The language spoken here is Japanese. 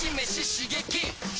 刺激！